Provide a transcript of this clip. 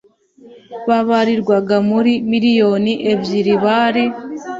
babarirwaga muri miriyoni ebyiri bari